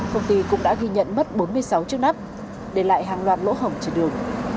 công ty cũng đã ghi nhận mất bốn mươi sáu chiếc nắp để lại hàng loạt lỗ hổng trên đường